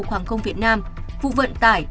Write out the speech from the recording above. cục hàng công việt nam vụ vận tải